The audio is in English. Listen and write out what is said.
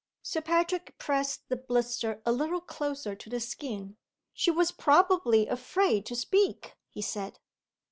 Sir Patrick pressed the blister a little closer to the skin. "She was probably afraid to speak," he said.